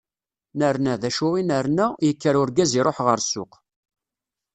Nerna, d acu i nerna, yekker urgaz iruḥ ɣer ssuq.